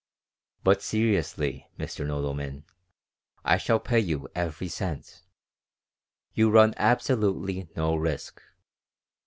"But, seriously, Mr. Nodelman, I shall pay you every cent. You run absolutely no risk."